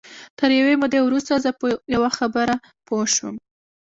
تر یوې مودې وروسته زه په یوه خبره پوه شوم